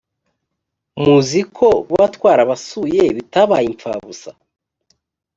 muzi ko kuba twarabasuye bitabaye imfabusa